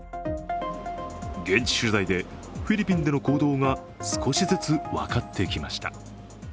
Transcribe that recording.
現地取材で、フィリピンでの行動が少しずつ分かってきました。